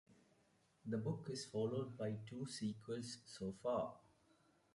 The book is followed by two sequels so far.